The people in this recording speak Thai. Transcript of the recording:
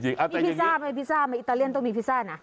มีพิซซ่าไหมพิซซ่ามาอิตาเลียนต้องมีพิซซ่านะ